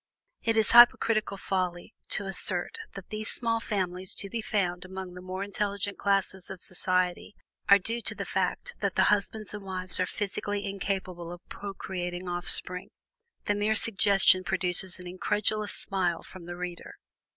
It is hypocritical folly to assert that these small families to be found among the more intelligent classes of society are due to the fact that the husbands and wives are physically incapable of procreating off spring the mere suggestion produces an incredulous smile from the reader.